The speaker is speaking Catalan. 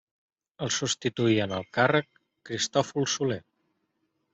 El substituí en el càrrec Cristòfol Soler.